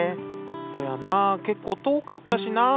そやな結構遠かったしなぁ。